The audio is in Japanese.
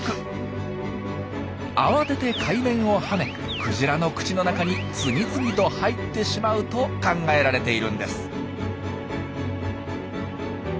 慌てて海面を跳ねクジラの口の中に次々と入ってしまうと考えられているんです。